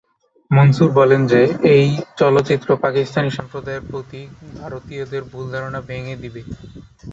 মনসুর বলেন যে এই চলচ্চিত্র পাকিস্তানি সম্প্রদায়ের প্রতি ভারতীয়দের ভুল ধারণা ভেঙ্গে দিবে।